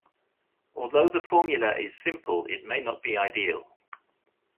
Although the formula is simple, it may not be ideal.